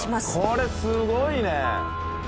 これすごいね。